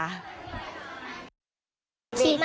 กิจกรรมอะไรคะ